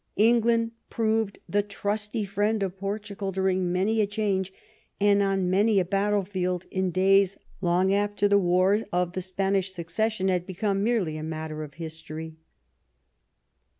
England proved the trusty friend of Portugal during many a change and on many a battle field in days long after the War of the Spanish Succession had become merely a matter of history.